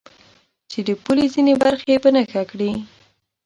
چې د پولې ځینې برخې په نښه کړي.